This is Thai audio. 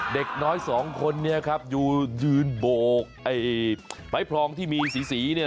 เด็กน้อยสองคนอยู่ยืนโบกไฟพรองที่มีสี